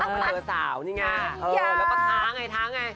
กินมาเลย